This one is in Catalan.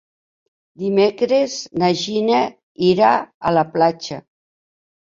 Dimecres na Gina irà a la platja.